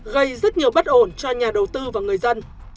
gây rất nhiều bất ổn cho nhà đầu tư và người dân